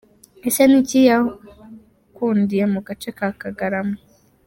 Ese Niki yakundiye mu gace ka Kagarama ?.